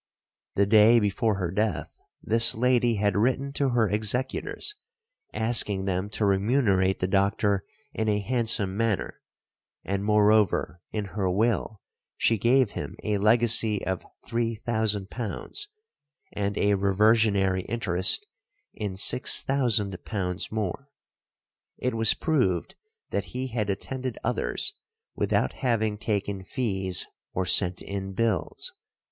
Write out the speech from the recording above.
The day before her death this lady had written to her executors, asking them to remunerate the doctor in a handsome manner, and moreover in her will she gave him a legacy of £3,000 and a reversionary interest in £6000 more. It was proved that he had attended others without having taken fees or sent in bills.